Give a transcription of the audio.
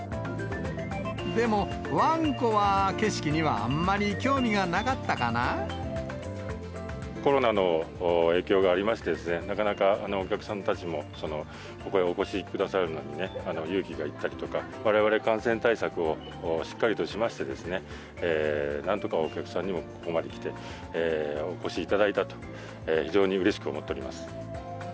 でもワンコは景色にはあんまコロナの影響がありまして、なかなか、お客さんたちもここへお越しくださるのに勇気がいったりとか、われわれ、感染対策をしっかりとしましてですね、なんとかお客様にもここまで来て、お越しいただいたと、非常にうれしく思っております。